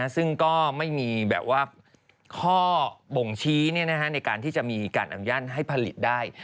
ซึ่งก็ไม่มีแบบว่าข้อบ่งชี้ในการที่จะมีการอนุญาตให้ผลิตได้